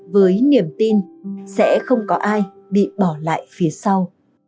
với niềm tin sẽ không có ai bị bỏ lại phía sau